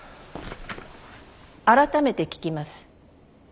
改めて聞きます。